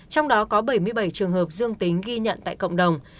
trong đó có bảy mươi bảy trường hợp dương tính ghi nhận tại cộng đồng